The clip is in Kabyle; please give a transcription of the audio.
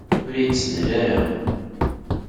Ur iyi-d-ttnal ara!